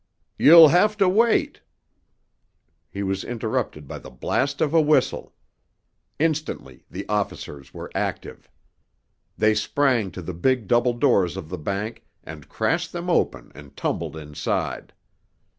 "You'll have to wait——" He was interrupted by the blast of a whistle. Instantly the officers were active. They sprang to the big double doors of the bank and crashed them open and tumbled inside.